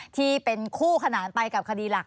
ที่เป็นคู่ขนานไปกับคดีหลัก